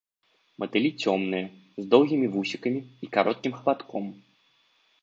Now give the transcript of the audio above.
Матылі цёмныя, з доўгімі вусікамі і кароткім хабатком.